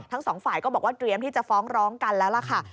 ทั้งสองฝ่ายก็บอกว่าเตรียมที่จะฟ้องร้องกันแล้วล่ะค่ะ